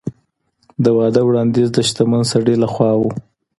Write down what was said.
د واده وړاندیز د شتمن سړي له خوا و.